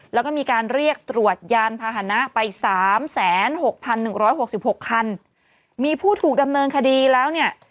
แล้วก็มีการเรียกตรวจยานพาหนะไปสามแสนหกพันหนึ่งร้อยหกสิบหกคันมีผู้ถูกดำเนินคดีแล้วเนี่ย